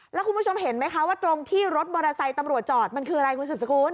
แล้วคุณผู้ชมเห็นไหมคะว่าตรงที่รถมอเตอร์ไซค์ตำรวจจอดมันคืออะไรคุณสุดสกุล